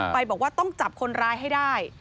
บอกว่าต้องจับคนร้ายให้ได้